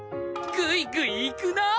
グイグイいくなぁ。